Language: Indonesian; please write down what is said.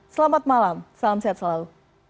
selamat malam salam sehat selalu